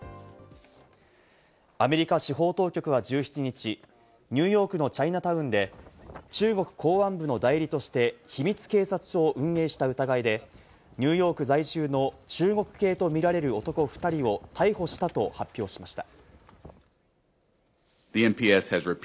アメリカ司法当局は１７日、ニューヨークのチャイナタウンで中国公安部の代理として、秘密警察署を運営した疑いで、ニューヨーク在住の中国系とみられる男２人を逮捕したと発表しました。